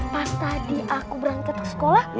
pas tadi aku berangkat ke sekolah